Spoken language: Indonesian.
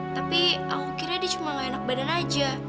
tapi aku kira dia cuma gak enak badan aja